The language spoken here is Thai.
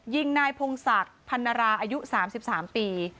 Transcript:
ยิงนายพงศักดิ์พันราอายุ๓๓ปี